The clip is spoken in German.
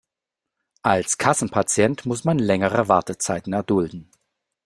Als Kassenpatient muss man längere Wartezeiten erdulden.